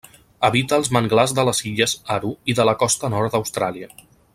Habita els manglars de les illes Aru i de la costa nord d'Austràlia.